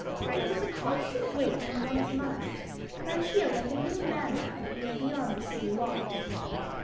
It was a constant weight on one's mind, and I feel like a new man now that we are beyond the city walls."